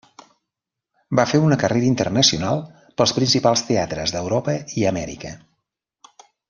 Va fer una carrera internacional pels principals teatres d'Europa i Amèrica.